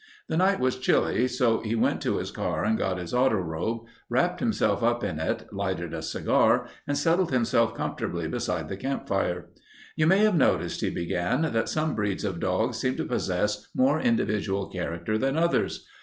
The night was chilly, so he went to his car and got his auto robe, wrapped himself up in it, lighted a cigar, and settled himself comfortably beside the campfire. "You may have noticed," he began, "that some breeds of dogs seem to possess more individual character than others.